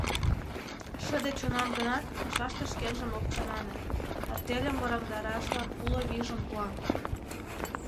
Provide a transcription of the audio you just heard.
Шыде чонан гынат, пашаште шкенжым ок чамане: артельым вораҥдарашлан уло вийжым пуа.